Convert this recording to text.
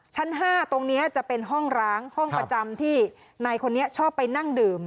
ชั้น๕ตรงนี้จะเป็นห้องร้างห้องประจำที่นายคนนี้ชอบไปนั่งดื่ม